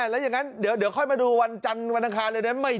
แล้วอย่างนั้นเดี๋ยวค่อยมาดูวันจันทร์วันอังคารเลยนะ